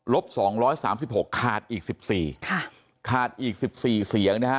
๒๕๐ลบ๒๓๖ขาดอีก๑๔ขาดอีก๑๔เสียงนะฮะ